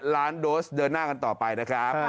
ล้านโดสเดินหน้ากันต่อไปนะครับ